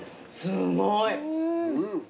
すごい。